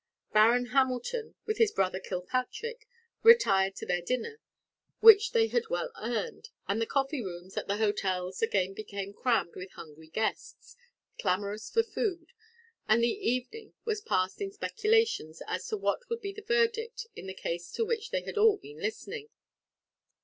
Baron Hamilton, with his brother Kilpatrick, retired to their dinner, which they had well earned; and the coffee rooms at the hotels again became crammed with hungry guests, clamorous for food; and the evening was passed in speculations as to what would be the verdict in the case to which they had all been listening.